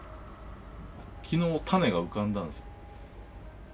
昨日種が浮かんだんですよ。